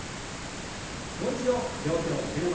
もう一度両手を胸の前に。